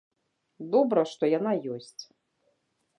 Добра, што яна ёсць.